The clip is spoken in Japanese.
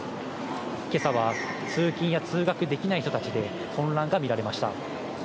今朝は通勤や通学できない人たちで混乱が見られました。